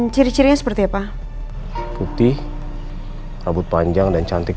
ciri cirinya seperti apa putih kabut panjang dan cantik